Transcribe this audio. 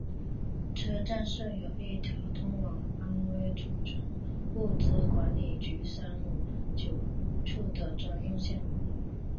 车站设有一条通往安徽储备物资管理局三五九处的专用线。